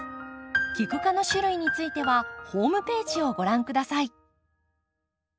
キク科の種類についてはホームページをご覧下さい。